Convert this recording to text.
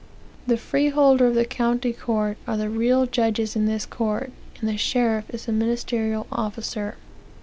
The freeholders of the county court are the real judges in this court, and the sheriff is the ministerial ofhcer.